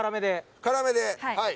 辛めで。